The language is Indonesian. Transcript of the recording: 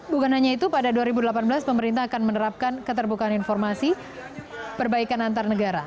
bukan hanya itu pada dua ribu delapan belas pemerintah akan menerapkan keterbukaan informasi perbaikan antar negara